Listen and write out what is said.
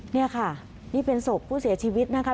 นี่ค่ะนี่เป็นศพผู้เสียชีวิตนะคะ